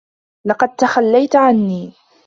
لقد تخلّيت عنّي.